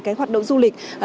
cái hoạt động du lịch